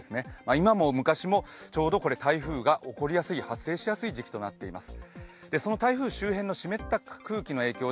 今も昔もちょうど台風が起こりやすい、発生しやすい時期となっています。